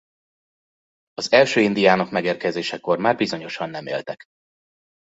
Az első indiánok megérkezésekor már bizonyosan nem éltek.